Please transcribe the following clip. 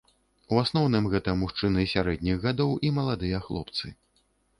У асноўным гэта мужчыны сярэдніх гадоў і маладыя хлопцы.